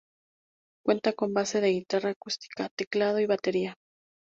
Cuenta con base de guitarra acústica, teclado y batería.